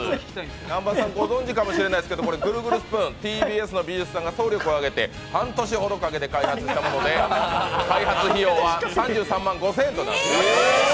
南波さん、ご存じかもしれないですけどぐるぐるスプーン、ＴＢＳが総力を挙げて半年ほどかけて開発したもので開発費用は３３万５０００円となっています。